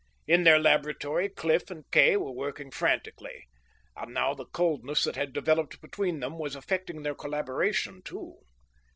In their laboratory Cliff and Kay were working frantically. And now the coldness that had developed between them was affecting their collaboration too.